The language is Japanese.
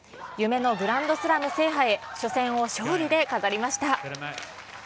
夢のグランドスラム制覇へ、初戦を勝利で飾りました。